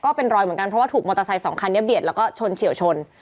ก็เป็นรอยเหมือนกันเพราะว่าถูกมอเตอร์ไซค์สองคันนี้เบียดแล้วก็ชนเฉียวชน